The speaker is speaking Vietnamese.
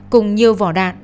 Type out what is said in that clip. cùng nhiều vỏ đạn